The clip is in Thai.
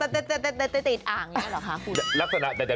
ติดอ่างอยู่หรือคะคุณ